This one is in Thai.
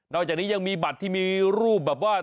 จากนี้ยังมีบัตรที่มีรูปแบบว่า